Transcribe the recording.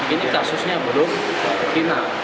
ini kasusnya belum final